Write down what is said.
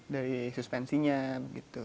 dari suspensinya begitu